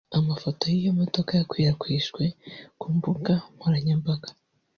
Amafoto y’iyo modoka yakwirakwijwe ku mbuga nkoranyamabaga